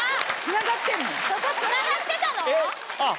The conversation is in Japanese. そこつながってたの？